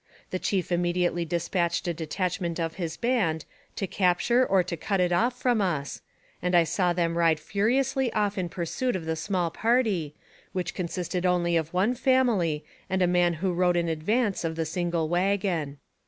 The chief immediately dispatched a de tachment of his band to capture or to cut it off from us, and I saw them ride furiously off in pursuit of the small party, which consisted only of one family and a man who rode in advance of the single wagon.